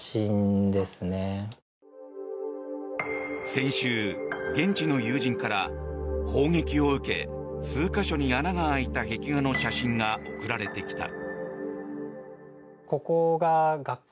先週、現地の友人から砲撃を受け数か所に穴が開いた壁画の写真が送られてきた。